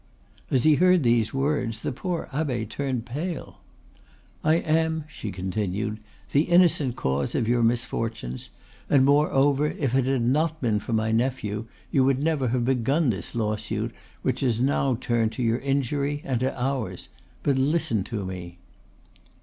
As he heard these words the poor abbe turned pale. "I am," she continued, "the innocent cause of your misfortunes, and, moreover, if it had not been for my nephew you would never have begun this lawsuit, which has now turned to your injury and to ours. But listen to me."